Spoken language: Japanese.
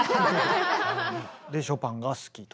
でショパンが好きと。